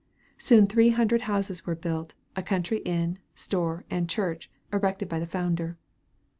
Soon three hundred houses were built, a country inn, store, and church, erected by the founder.